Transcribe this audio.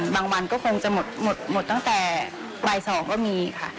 บางวันก็คงจะหมดตั้งแต่บ่าย๒ก็มีค่ะ